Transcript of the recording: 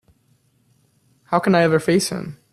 How can I ever face him?